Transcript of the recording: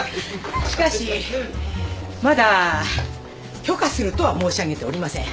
しかしまだ許可するとは申し上げておりません。